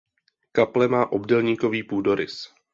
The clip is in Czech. Kaple má obdélníkový půdorys.